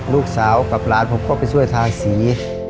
ลูกสาวกับหลานผมก็ไปช่วยทาสี